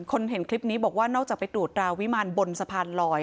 เห็นคลิปนี้บอกว่านอกจากไปตรวจราวิมารบนสะพานลอย